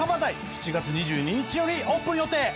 ７月２２日よりオープン予定。